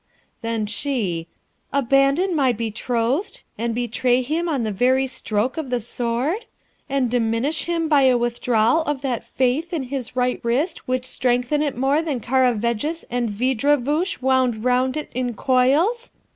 Then she, 'Abandon my betrothed? and betray him on the very stroke of the Sword? and diminish him by a withdrawal of that faith in his right wrist which strengtheneth it more than Karavejis and Veejravoosh wound round it in coils?'